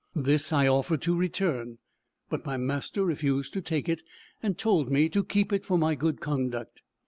This I offered to return, but my master refused to take it, and told me to keep it for my good conduct.